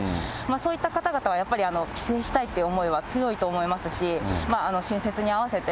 そういった方々はやっぱり、帰省したいっていう思いは強いと思いますし、春節に合わせて、